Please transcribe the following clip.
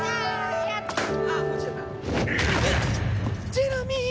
ジェラミー！